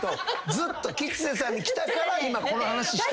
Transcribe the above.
ずっと吉瀬さんにきたから今この話してんす。